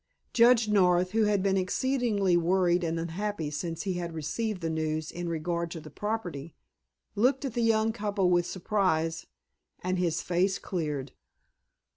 Judge North, who had been exceedingly worried and unhappy since he had received the news in regard to the property, looked at the young couple with surprise, and his face cleared.